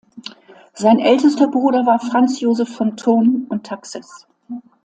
Sein ältester Bruder war Franz Joseph von Thurn und Taxis.